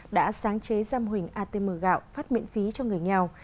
đã sáng chế giam hủyng atm gạo phát miễn phí cho người nghèo